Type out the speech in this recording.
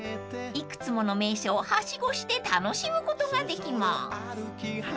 ［幾つもの名所をはしごして楽しむことができます］